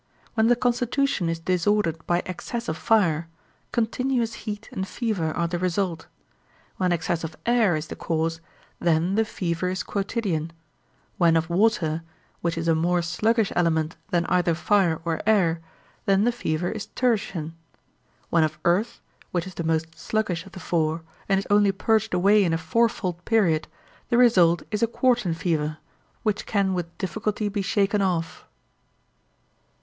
When the constitution is disordered by excess of fire, continuous heat and fever are the result; when excess of air is the cause, then the fever is quotidian; when of water, which is a more sluggish element than either fire or air, then the fever is a tertian; when of earth, which is the most sluggish of the four, and is only purged away in a four fold period, the result is a quartan fever, which can with difficulty be shaken off.